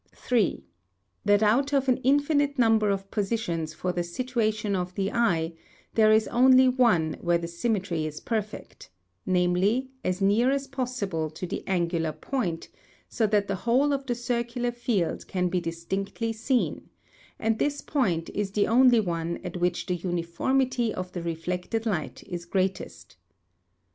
3. That out of an infinite number of positions for the situation of the eye, there is only one where the sym metry is perfect, namely, as near as possible to the an gular point, so that the whole of the circular field can be distinctly seen ; and this point is the only one at which the uniformity of the reflected light is greatest.